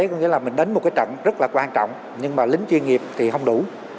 có nghĩa là mình đánh một cái trận rất là quan trọng nhưng mà lính chuyên nghiệp thì không đủ